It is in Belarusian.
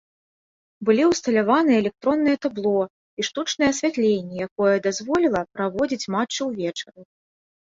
Былі ўсталяваныя электроннае табло і штучнае асвятленне, якое дазволіла праводзіць матчы ўвечары.